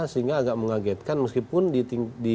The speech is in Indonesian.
sehingga agak mengagetkan meskipun di